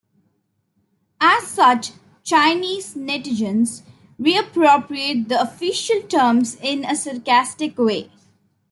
As such Chinese netizens reappropriate the official terms in a sarcastic way.